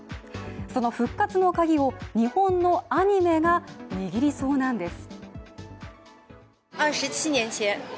その復活のカギを日本のアニメが握りそうなんです。